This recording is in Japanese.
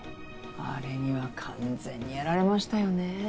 あれには完全にやられましたよね。